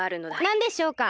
なんでしょうか？